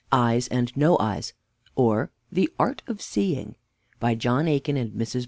EYES AND NO EYES, OR THE ART OF SEEING By JOHN AIKIN and MRS.